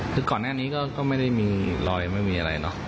คือก่อนหน้านี้ก็ไม่ได้มีรอยไม่มีอะไรเนอะ